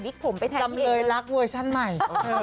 จำเลยรักเวอร์ชั่นใหม่